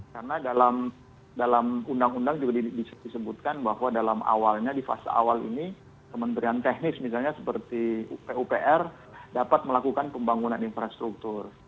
karena dalam undang undang juga bisa disebutkan bahwa dalam awalnya di fase awal ini kementerian teknis misalnya seperti pupr dapat melakukan pembangunan infrastruktur